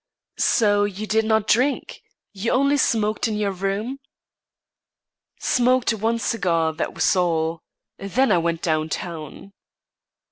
"So you did not drink? You only smoked in your room?" "Smoked one cigar. That was all. Then I went down town."